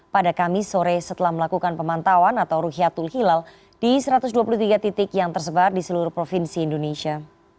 pada kamis sore setelah melakukan pemantauan atau rukyatul hilal di satu ratus dua puluh tiga titik yang tersebar di seluruh provinsi indonesia